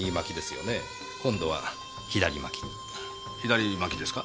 左巻きですか？